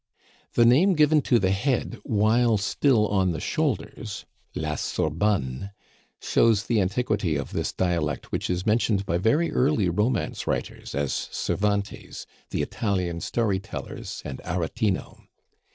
The name given to the head while still on the shoulders la Sorbonne shows the antiquity of this dialect which is mentioned by very early romance writers, as Cervantes, the Italian story tellers, and Aretino.